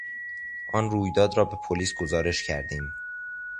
آن رویداد را به پلیس گزارش کردیم.